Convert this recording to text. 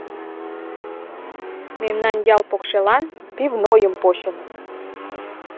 Мемнан ял покшелан пивнойым почыныт.